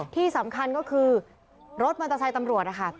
ที่สำคัญก็คือรถบรรทัศน์ตำรวจนะคะ